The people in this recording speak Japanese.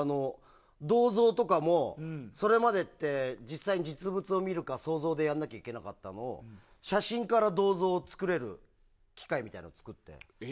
銅像とかも、それまでって実際に実物を見るか想像でやらなきゃいけなかったのを写真から銅像を作れる機械みたいなのを作って。